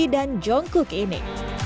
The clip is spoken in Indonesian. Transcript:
dan jungkook ini